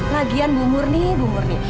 lagian bu murni bu murni